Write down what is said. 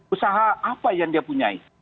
usaha apa yang dia punya